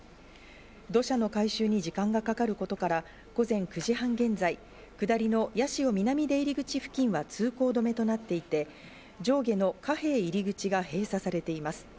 土砂の回収に時間がかかることから、午前９時半現在、下りの八潮南出入り口付近は通行止めとなっていて、上下の加平入り口が閉鎖されています。